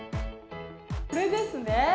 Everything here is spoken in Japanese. これですね。